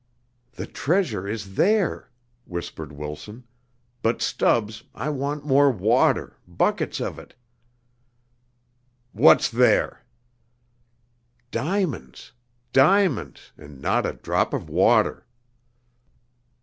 "The treasure is there," whispered Wilson; "but, Stubbs, I want more water buckets of it." "What's there?" "Diamonds diamonds, and not a drop of water."